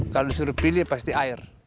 kalau disuruh pilih pasti air